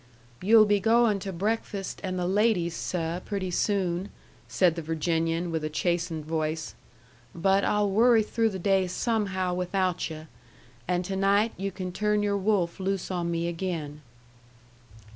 "You'll be going to breakfast and the ladies, seh, pretty soon," said the Virginian, with a chastened voice. "But I'll worry through the day somehow without yu'. And to night you can turn your wolf loose on me again."